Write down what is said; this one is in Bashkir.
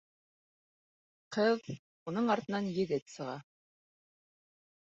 Ҡыҙ, уның артынан егет сыға.